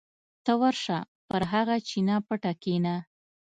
ته ورشه پر هغه چینه پټه کېنه.